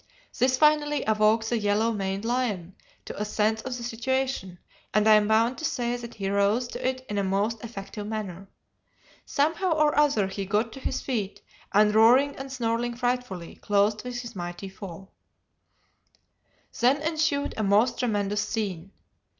This finally awoke the yellow maned lion to a sense of the situation, and I am bound to say that he rose to it in a most effective manner. Somehow or other he got to his feet, and, roaring and snarling frightfully, closed with his mighty foe. "Then ensued a most tremendous scene.